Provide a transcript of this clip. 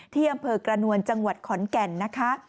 ที่อำเภอกระนวลจังหวัดขอนแก่นนะคะ